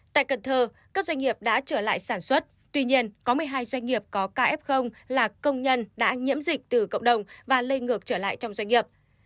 tại cần thơ các doanh nghiệp đã trở lại sản xuất tuy nhiên có một mươi hai doanh nghiệp có kf là công nhân đã nhiễm dịch từ cộng đồng và lây ngược trở lại trong doanh nghiệp